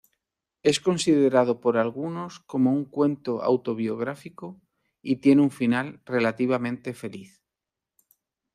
Es considerado por algunos como un cuento autobiográfico y tiene un final relativamente feliz.